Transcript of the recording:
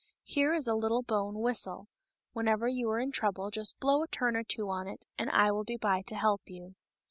Here is a little bone whistle ; whenever you are in trouble just blow a turn or two on it, and I will be by to help you."